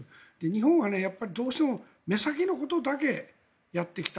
日本はどうしても目先のことだけやってきた。